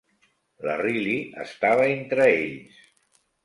La Riley estava entre ells.